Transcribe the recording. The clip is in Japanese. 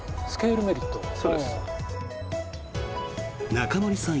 中森さん